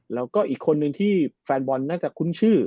แล้วก็อีกคนนึงที่แฟนบอลน่าจะคุ้นชื่อ